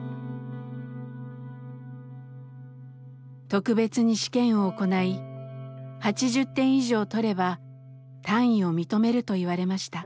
特別に試験を行い８０点以上取れば単位を認めると言われました。